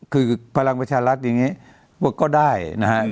คือพลังประชารัฐอย่างนี้ก็ได้นะครับ